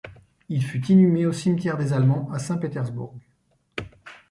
Il fut inhumé au cimetière des Allemands à Saint-Pétersbourg.